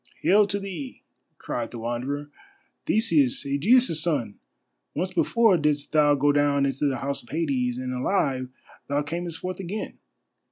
"Hail to thee," cried the Wanderer, "Theseus, Ægeus' son! Once before didst thou go down into the House of Hades, and alive thou camest forth again.